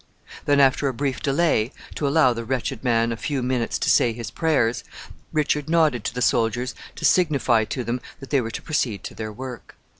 Then, after a brief delay, to allow the wretched man a few minutes to say his prayers, Richard nodded to the soldiers to signify to them that they were to proceed to their work.